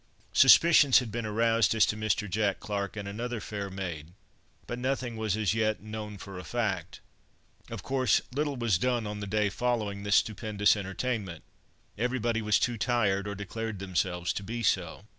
Suspicions had been aroused as to Mr. Jack Clarke and another fair maid, but nothing was as yet "known for a fact." Of course, little was done on the day following this stupendous entertainment. Everybody was too tired, or declared themselves to be so.